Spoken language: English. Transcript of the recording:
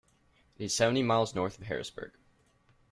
It is seventy miles north of Harrisburg.